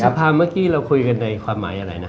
ภาพเมื่อกี้เราคุยกันในความหมายอะไรนะ